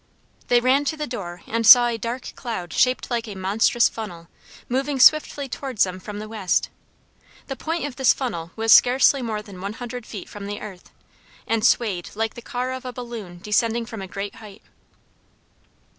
They ran to the door and saw a dark cloud shaped like a monstrous funnel moving swiftly towards them from the west. The point of this funnel was scarcely more than one hundred feet from the earth, and swayed like the car of a balloon descending from a great height.